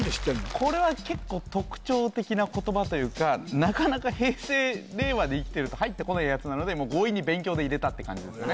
これは結構なかなか平成令和で生きてると入ってこないやつなのでもう強引に勉強で入れたって感じですかね